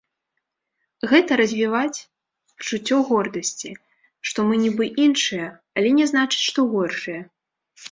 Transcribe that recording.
Гэта развіваць пачуццё гордасці, што мы нібы іншыя, але не значыць, што горшыя.